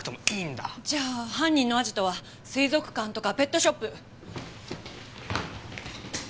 じゃあ犯人のアジトは水族館とかペットショップ！